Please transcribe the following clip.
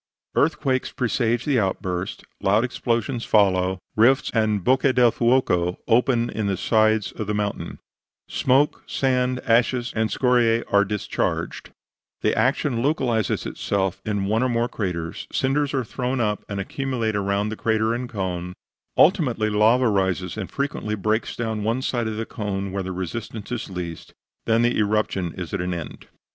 Earthquakes presage the outburst, loud explosions follow, rifts and bocche del fuoco open in the sides of the mountain; smoke, sand, ashes and scoriae are discharged, the action localizes itself in one or more craters, cinders are thrown up and accumulate around the crater and cone, ultimately lava rises and frequently breaks down one side of the cone where the resistance is least; then the eruption is at an end.